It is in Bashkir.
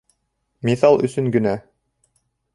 - Миҫал өсөн генә...